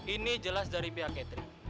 ini jelas dari pihak catering